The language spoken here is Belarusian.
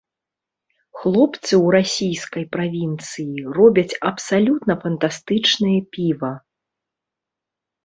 Хлопцы ў расійскай правінцыі робяць абсалютна фантастычнае піва.